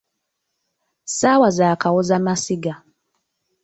Ssaawa za kawozamasiga.